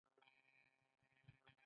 ایا زما نمبر مو واخیست؟